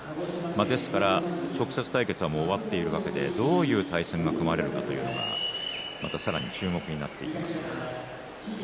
ですから直接対決はもう終わっているわけでどういう対戦が組まれるのかまたさらに注目になっていきます。